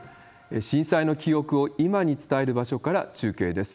震災の記憶を今に伝える場所から中継です。